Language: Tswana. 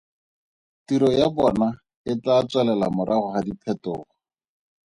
Tiro ya bona e tla tswelela morago ga diphetogo.